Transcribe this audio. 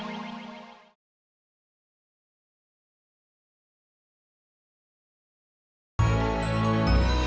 tidak ini bukanlah fansnatya in reached u portula